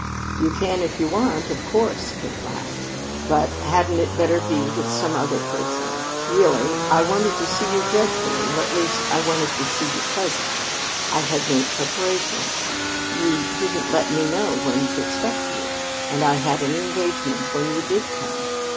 "You can if you want, of course," Kate laughed. "But hadn't it better be with some other person? Really, I wanted to see you dreadfully or, at least, I wanted to see you pleasantly. I had made preparations. You didn't let me know when to expect you, and I had an engagement when you did come.